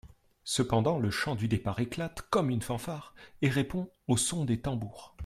Cependant le Chant du Départ éclate comme une fanfare et répond au son des tambours.